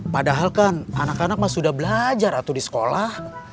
padahal kan anak anak sudah belajar atau di sekolah